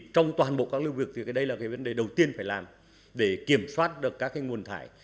trong toàn bộ các lưu việc thì đây là cái vấn đề đầu tiên phải làm để kiểm soát được các nguồn thải